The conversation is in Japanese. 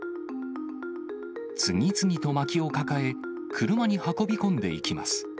次々とまきを抱え、車に運び込んでいきます。